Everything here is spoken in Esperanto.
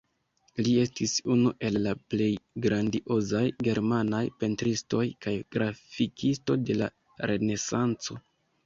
Li estis unu el la plej grandiozaj germanaj pentristoj kaj grafikisto de la Renesanco.